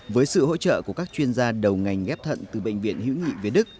với sự hỗ trợ của các chuyên gia đầu ngành ghép thận từ bệnh viện hữu nghị việt đức